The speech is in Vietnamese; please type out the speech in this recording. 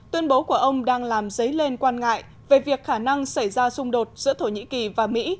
tuyên bố của ông đang làm dấy lên quan ngại về việc khả năng xảy ra xung đột giữa thổ nhĩ kỳ và mỹ